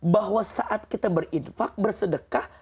bahwa saat kita berinfak bersedekah